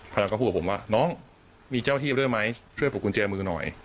เราก็พูดกับผมว่าน้องมีเจ้าที่ด้วยไหมช่วยปลุกกุญแจมือหน่อย